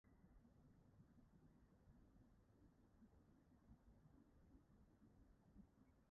Addysg Gynradd, Addysg Uwchradd, Uwchradd Uwch.